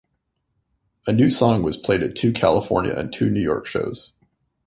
A new song was played at two California and two New York shows.